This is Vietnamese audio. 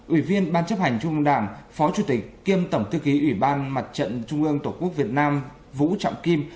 ủy viên ban chấp hành trung ương đảng phó chủ tịch kiêm tổng thư ký ủy ban mặt trận trung ương tổ quốc việt nam vũ trọng kim